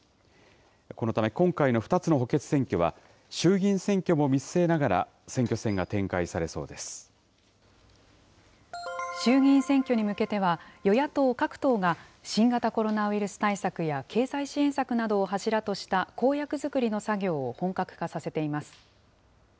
このため、今回の２つの補欠選挙は衆議院選挙も見据えながら、選衆議院選挙に向けては、与野党各党が新型コロナウイルス対策や経済支援策などを柱とした公約作りの作業を本格化させています。